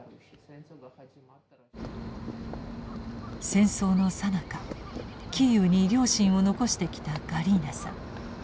戦争のさなかキーウに両親を残してきたガリーナさん。